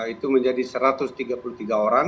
itu menjadi satu ratus tiga puluh tiga orang